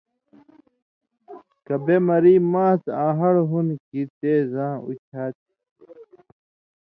کہ بے مری ماڅھ آں ہڑہ ہون٘د کھی تے زاں اُتھیا تھی؟